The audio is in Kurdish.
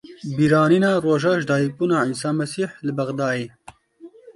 Bîranîna roja jidayîkbûna Îsa Mesîh li Bexdayê.